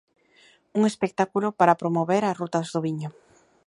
Un espectáculo para promover as rutas do viño.